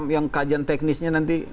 yang kajian teknisnya nanti